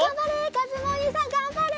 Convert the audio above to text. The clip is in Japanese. かずむおにいさんがんばれ！